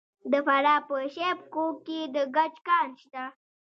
د فراه په شیب کوه کې د ګچ کان شته.